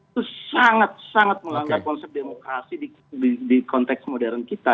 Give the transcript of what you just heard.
itu sangat sangat melanggar konsep demokrasi di konteks modern kita